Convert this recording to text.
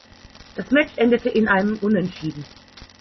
Das Match endete in einem Unentschieden.